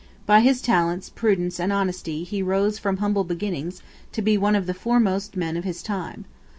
By his talents, prudence, and honesty he rose from humble beginnings to be one of the foremost men of his time.